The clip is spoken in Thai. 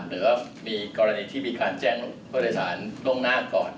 หรือว่ามีกรณีที่มีการแจ้งผู้โดยสารล่วงหน้าก่อน